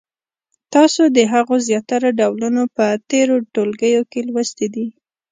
تاسو د هغو زیاتره ډولونه په تېرو ټولګیو کې لوستي دي.